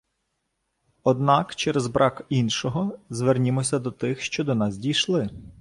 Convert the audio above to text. Однак, через брак іншого, звернімося до тих, що до нас дійшли